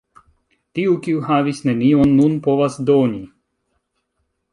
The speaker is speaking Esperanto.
Tiu, kiu havis nenion, nun povas doni.